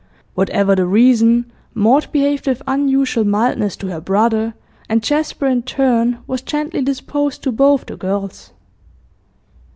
Whatever the reason, Maud behaved with unusual mildness to her brother, and Jasper in turn was gently disposed to both the girls.